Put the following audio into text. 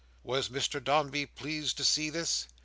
Was Mr Dombey pleased to see this?